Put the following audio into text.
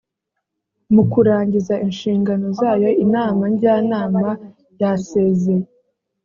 mu kurangiza inshingano zayo inama njyanama yasezeye.